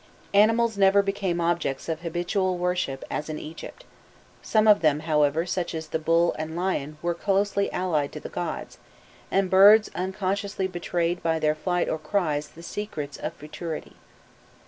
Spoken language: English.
Animals never became objects of habitual worship as in Egypt: some of them, however, such as the bull and lion, were closely allied to the gods, and birds unconsciously betrayed by their flight or cries the secrets of futurity.